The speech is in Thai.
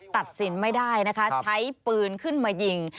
ตัดสินไม่ได้นะคะใช้ปืนขึ้นมายิง